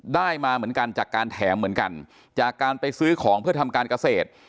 ได้มาเหมือนกันจากการแถมเหมือนกันจากการไปซื้อของเพื่อทำการเกษตร